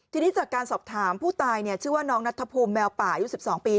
ทีนี้จากการสอบถามผู้ตายชื่อว่าน้องนัทธพุมแมวป่ายูสิบสองปี